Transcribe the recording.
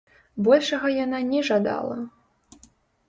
Большага яна не жадала.